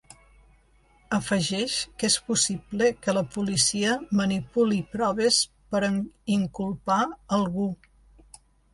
Afegeix que és possible que la policia manipuli proves per a inculpar algú.